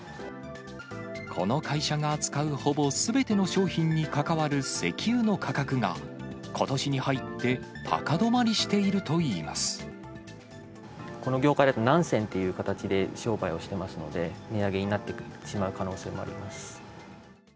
この会社が扱うほぼすべての商品に関わる石油の価格が、ことしに入って高止まりしているこの業界だと何銭という形で商売をしてますので、値上げになってしまう可能性もあります。